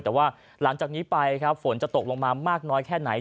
แต่ว่าหลังจากนี้ไปครับฝนจะตกลงมามากน้อยแค่ไหน